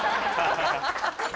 ハハハハ！